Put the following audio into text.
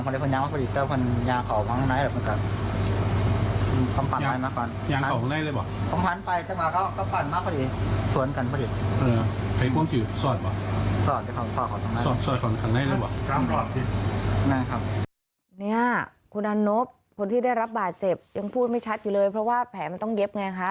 พี่อนุปคนที่ได้รับบาดเจ็บยังพูดไม่ชัดอยู่เลยเพราะแผลต้องเย็บไงคะ